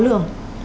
và có lường